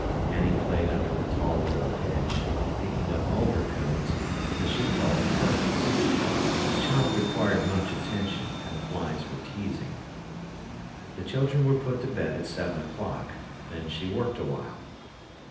Annie played under the tall old hedge, picking up alder cones, that she called currants. The child required much attention, and the flies were teasing. The children were put to bed at seven o'clock. Then she worked awhile.